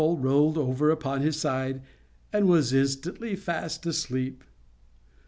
_ Here Badorful rolled over upon his side, and was instantly fast asleep.